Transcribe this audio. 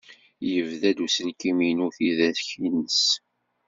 Yebda-d uselkim-inu tidak-nnes.